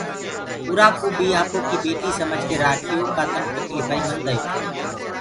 اُرآ ڪوُ بي آپو ڪيِ ٻيٽي سمجه ڪي راکيو ڪآ تنگ تڪليڦائي منديو۔